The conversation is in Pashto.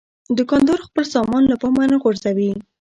دوکاندار خپل سامان له پامه نه غورځوي.